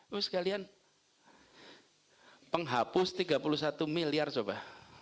lalu sekalian penghapus rp tiga puluh satu miliar coba